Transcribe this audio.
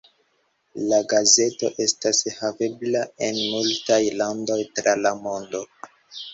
La gazeto estas havebla en multaj landoj tra la mondo.